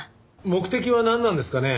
目的はなんなんですかね？